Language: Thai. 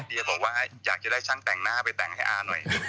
จะบอกว่าอยากจะได้ช่างแต่งหน้าไปแต่งให้อาหน่อย